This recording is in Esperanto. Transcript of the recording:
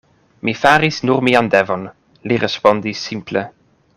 Mi faris nur mian devon, li respondis simple.